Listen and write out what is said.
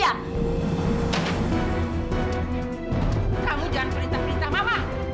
kamu jangan perintah perintah mama